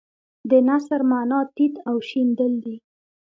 د نثر معنی تیت او شیندل دي.